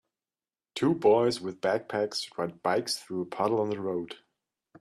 Two boys with backpacks ride bikes through a puddle on the road.